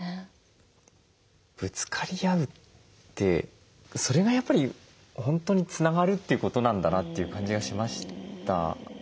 ぶつかり合うってそれがやっぱり本当につながるということなんだなという感じがしました。